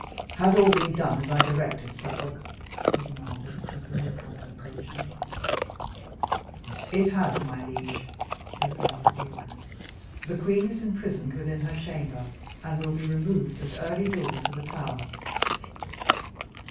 "Has all been done as I directed, Suffolk?" he demanded, as the newcomer approached him. "It has, my liege," replied the duke. "The queen is imprisoned within her chamber, and will be removed, at early dawn, to the Tower."